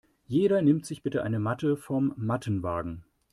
Jeder nimmt sich bitte eine Matte vom Mattenwagen.